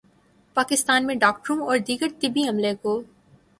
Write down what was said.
پاکستان میں ڈاکٹروں اور دیگر طبی عملے کو